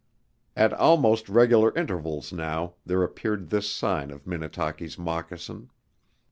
At almost regular intervals now there appeared this sign of Minnetaki's moccasin.